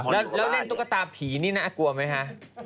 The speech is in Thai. แล้วเล่นตุ๊กตาผีนี่น่ากลัวไหมคะ